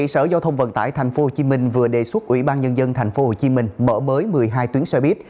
sở giao thông vận tải tp hcm vừa đề xuất ủy ban nhân dân tp hcm mở mới một mươi hai tuyến xe buýt